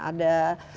ada di semua